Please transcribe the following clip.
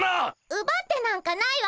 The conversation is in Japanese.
うばってなんかないわ。